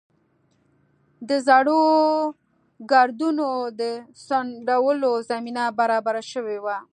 د زړو ګردونو د څنډلو زمینه برابره شوې وه.